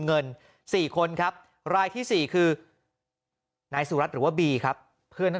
เงิน๔คนครับรายที่๔คือนายสุรัตน์หรือว่าบีครับเพื่อนทั้ง